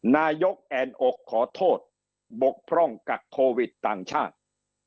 นายกแอ่นอกขอโทษบกพร่องกักโควิดต่างชาติ